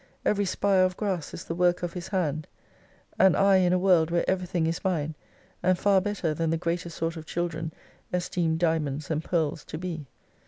Every spire of grass is the work of His hand : And I in a world where every thing is mine, and far better than the greater sort of children esteem diamonds and pearls to be.